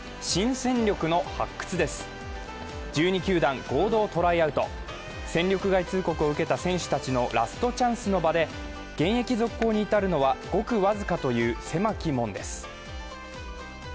戦力外通告を受けた選手たちのラストチャンスの場で現役続行に至るのはごく僅かという狭き門です。